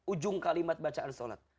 ujung kalimat bacaan salat